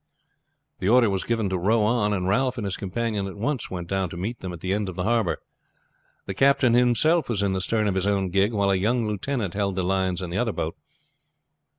The order was given to row on, and Ralph and his companion at once went down to meet them at the end of the harbor. The captain himself was in the stern of his own gig, while a young lieutenant held the lines in the other boat.